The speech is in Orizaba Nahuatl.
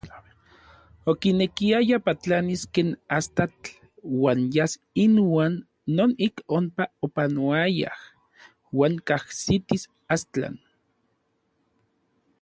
Okinekiaya patlanis ken astatl uan yas inuan non ik onpa opanoayaj uan kajsitis Astlan.